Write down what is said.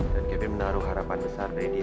dan kevin menaruh harapan besar dari dia